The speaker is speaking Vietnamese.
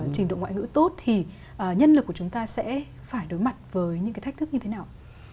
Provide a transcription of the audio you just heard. trình độ ngoại ngữ tốt thì nhân lực của chúng ta sẽ phải đối mặt với những cái thách thức như thế nào